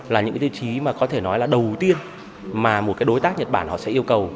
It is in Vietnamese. là những tiêu chí mà có thể nói là đầu tiên mà một đối tác nhật bản sẽ yêu cầu